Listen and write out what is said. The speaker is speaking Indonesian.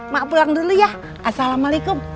mak pulang dulu ya assalamualaikum